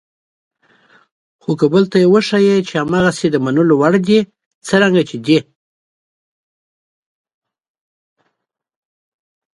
خو که بل ته وښایئ چې هماغسې د منلو وړ دي څرنګه چې دي.